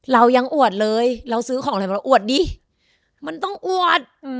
เรายังอวดเลยเราซื้อของอะไรมาเราอวดดิมันต้องอวด